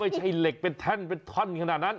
ไม่ใช่เหล็กเป็นแท่นเป็นท่อนขนาดนั้น